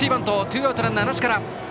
ツーアウトランナーなしから。